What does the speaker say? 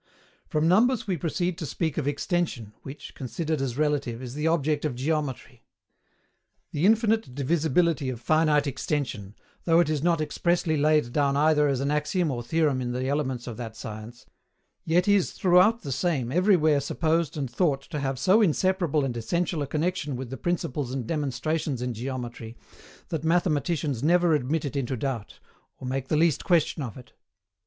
From numbers we proceed to speak of Extension, which, considered as relative, is the object of Geometry. The infinite divisibility of finite extension, though it is not expressly laid down either as an axiom or theorem in the elements of that science, yet is throughout the same everywhere supposed and thought to have so inseparable and essential a connexion with the principles and demonstrations in Geometry, that mathematicians never admit it into doubt, or make the least question of it.